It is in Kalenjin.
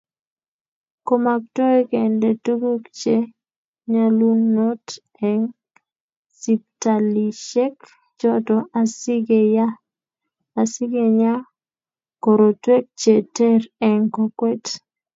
Komaktoi kende tukuk che nyalunot eng siptalishek choto asikenyaa korotwek che ter eng kokwet